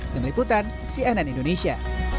demikian cnn indonesia